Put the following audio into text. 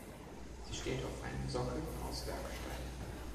Sie steht auf einem Sockel aus Werksteinen.